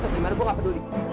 tapi gimana gua nggak peduli